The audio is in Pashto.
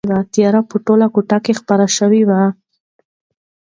تیاره په ټوله کوټه کې خپره شوې وه.